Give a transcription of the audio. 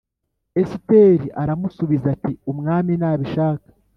Esiteri aramusubiza ati Umwami nabishaka